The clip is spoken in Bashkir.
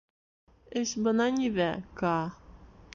— Эш бына ниҙә, Каа.